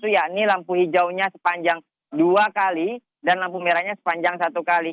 yakni lampu hijaunya sepanjang dua kali dan lampu merahnya sepanjang satu kali